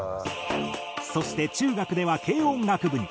そして中学では軽音楽部に。